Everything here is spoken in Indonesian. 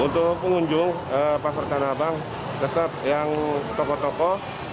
untuk pengunjung pasar tanah abang tetap yang toko toko